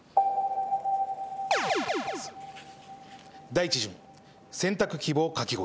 第１巡選択希望かき氷。